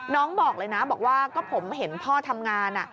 บอกเลยนะบอกว่าก็ผมเห็นพ่อทำงาน